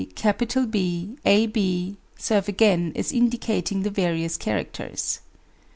A, B, a, b serve again as indicating the various characters.